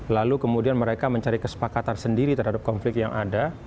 lalu kemudian mereka mencari kesepakatan sendiri terhadap konflik yang ada